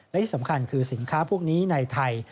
และที่สำคัญคือสินค้าพวกนี้ในไทย